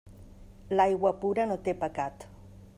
L'aigua pura no té pecat.